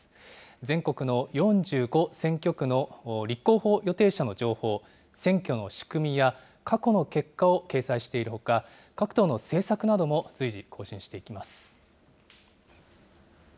全国の４５選挙区の立候補予定者の情報、選挙の仕組みや過去の結果を掲載しているほか、各党の政策なども随時、更新していきます。